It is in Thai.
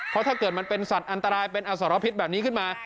เพราะถ้าเกิดมันเป็นสัตว์อันตรายเป็นอสรพิษแบบนี้ขึ้นมา